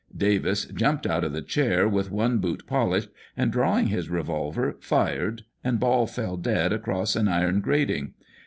Davis jumped out of the chair, with one boot polished, and drawing his revolver, fired, and Ball fell dead across an iron grating.